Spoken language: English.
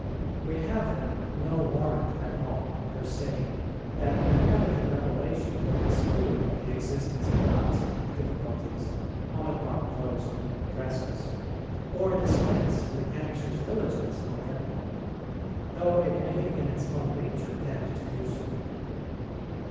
We have then no warrant at all for saying that an accredited revelation will exclude the existence of doubts and difficulties on the part of those whom it addresses, or dispense with anxious diligence on their part, though it may in its own nature tend to do so.